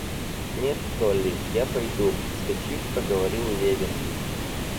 Нет, Долли, я пойду, — вскочив, проговорил Левин.